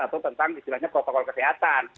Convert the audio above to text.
atau tentang istilahnya protokol kesehatan